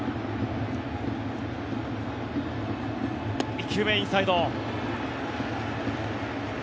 １球目、インサイド。